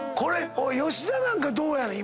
吉田なんかどうやねん？